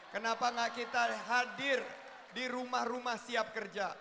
kenapa gak kita hadir di rumah rumah siap kerja